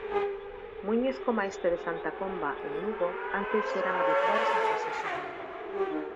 Muíños coma este de Santa Comba, en Lugo, antes eran habituais na paisaxe galega.